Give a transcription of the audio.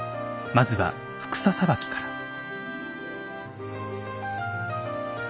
まずは服紗さばきから。